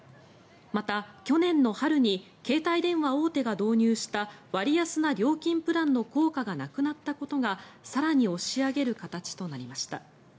また、去年の春に携帯電話大手が導入した割安な料金プランの効果がなくなったことが更に押し上げる形となりました。